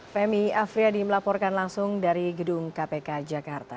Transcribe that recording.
femi afriyadi melaporkan langsung dari gedung kpk jakarta